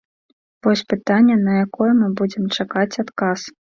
Вось пытанне, на якое мы будзем чакаць адказ.